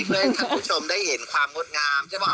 เพื่อฉวงได้เห็นความงดงาม